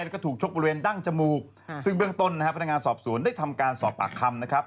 แล้วก็ถูกชกบริเวณดั้งจมูกซึ่งเบื้องต้นนะครับพนักงานสอบสวนได้ทำการสอบปากคำนะครับ